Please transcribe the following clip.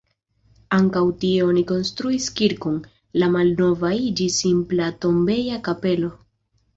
Ankaŭ tie oni konstruis kirkon, la malnova iĝis simpla tombeja kapelo.